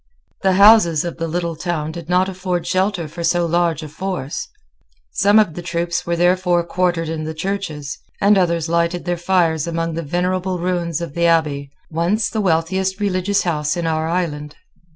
The houses of the little town did not afford shelter for so large a force. Some of the troops were therefore quartered in the churches, and others lighted their fires among the venerable ruins of the Abbey, once the wealthiest religious house in our island.